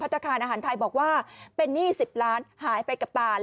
ธนาคารอาหารไทยบอกว่าเป็นหนี้๑๐ล้านหายไปกับตา